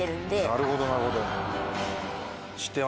なるほどなるほど。